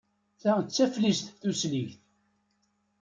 Ta d taftist tusligt.